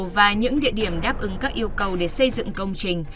và những địa điểm đáp ứng các yêu cầu để xây dựng công trình